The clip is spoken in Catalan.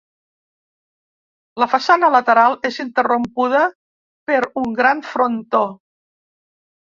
La façana lateral és interrompuda per un gran frontó.